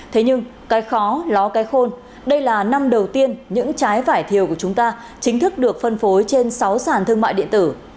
thế nhưng cái khó ló cái khôn đây là năm đầu tiên những trái vải thiều của chúng ta chính thức được phân phối trên sáu sản thương mại điện tử